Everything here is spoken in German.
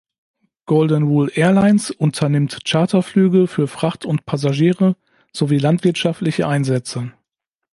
Golden Rule Airlines unternimmt Charterflüge für Fracht und Passagiere sowie landwirtschaftliche Einsätze.